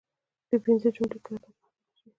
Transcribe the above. د پنځه جملې کره کتنه باید وشي.